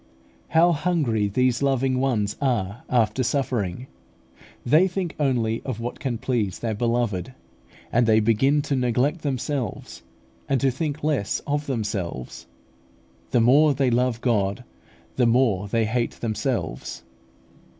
How hungry these loving ones are after suffering! They think only of what can please their Beloved, and they begin to neglect themselves, and to think less of themselves. The more they love God, the more they hate themselves.